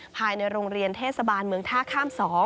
ภายในโรงเรียนเทศบาลเมืองท่าข้าม๒